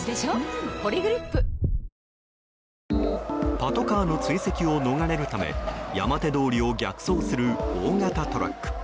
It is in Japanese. パトカーの追跡を逃れるため山手通りを逆走する大型トラック。